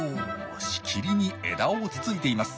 しきりに枝をつついています。